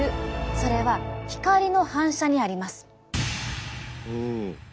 それは光の反射にあります。